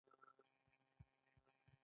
کارګر د کاري ځواک لپاره باید خواړه وخوري.